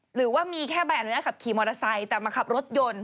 หรือว่ามีแค่ใบอนุญาตขับขี่มอเตอร์ไซค์แต่มาขับรถยนต์